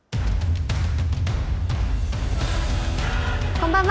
こんばんは。